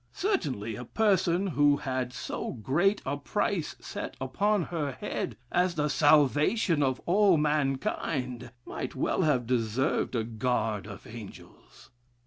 Certainly, a person who had so great a price set upon her head, as the salvation of all mankind, might well have deserved a guard of angels.